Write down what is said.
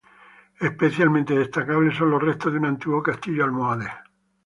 Especialmente destacables son los restos de un antiguo castillo almohade.